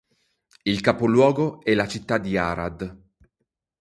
Il capoluogo è la città di Arad.